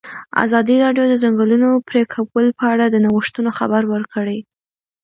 ازادي راډیو د د ځنګلونو پرېکول په اړه د نوښتونو خبر ورکړی.